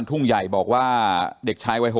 ซึ่งชานเด็กนี่จะแ